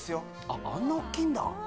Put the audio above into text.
あっあんな大っきいんだ